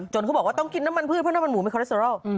เขาบอกว่าต้องกินน้ำมันพืชเพราะน้ำมันหมูไคอเลสเตอรอล